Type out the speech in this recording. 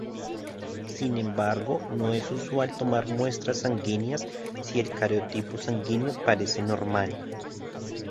Sin embargo, no es usual tomar muestras sanguíneas si el cariotipo sanguíneo parece normal.